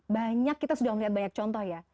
banyak kita sudah melihat banyak contoh ya